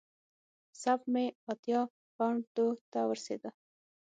سپ مې اتیا پونډو ته ورسېده.